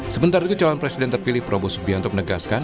sementara itu calon presiden terpilih prabowo subianto menegaskan